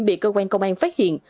bị cơ quan công an phát hiện